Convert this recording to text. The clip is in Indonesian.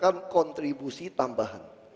kita mengenakan kontribusi tambahan